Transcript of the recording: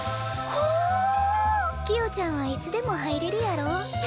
キヨちゃんはいつでも入れるやろ。